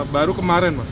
baru kemarin mas